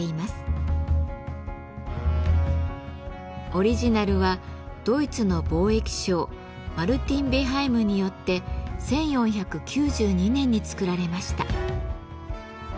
オリジナルはドイツの貿易商マルティン・ベハイムによって１４９２年に作られました。